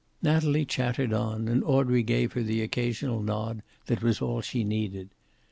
Natalie chattered on, and Audrey gave her the occasional nod that was all she needed.